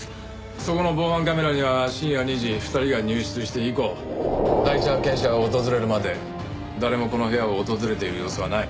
そこの防犯カメラには深夜２時２人が入室して以降第一発見者が訪れるまで誰もこの部屋を訪れている様子はない。